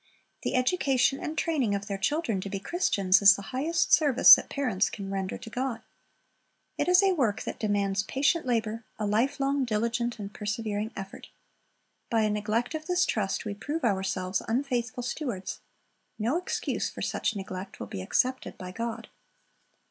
The education and training of their children to be Christians is the highest service that parents can render to God. It is a work that demands patient labor, a lifelong diligent and persevering cflbrt. By a neglect of this trust we prove ourselves unfaithful stewards. No excuse for such neglect will be accepted by God.